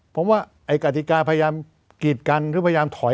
ผมว่าไอ้กติกาพยายามกีดกันหรือพยายามถอย